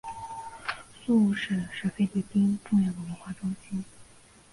宿雾市是菲律宾重要的文化中心。